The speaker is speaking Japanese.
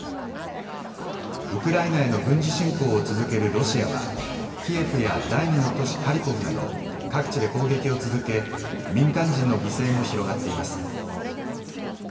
ウクライナへの軍事侵攻を続けるロシアはキエフや第２の都市ハリコフなど各地で攻撃を続け民間人の犠牲も広がっています。